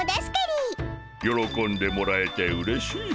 よろこんでもらえてうれしいモ。